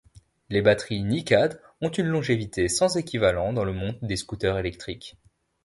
Les batteries NiCad ont une longévité sans équivalent dans le monde des scooters électriques.